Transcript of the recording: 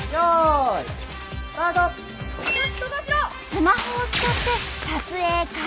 スマホを使って撮影開始！